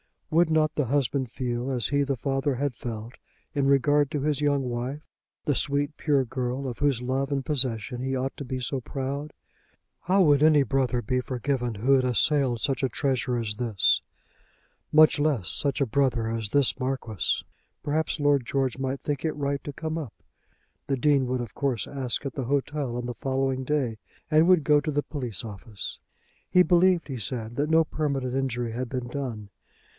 Would not the husband feel as he the father had felt in regard to his young wife, the sweet pure girl of whose love and possession he ought to be so proud? How would any brother be forgiven who had assailed such a treasure as this; much less such a brother as this Marquis? Perhaps Lord George might think it right to come up. The Dean would of course ask at the hotel on the following day, and would go to the police office. He believed, he said, that no permanent injury had been done.